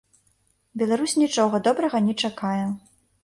Беларусь нічога добрага не чакае.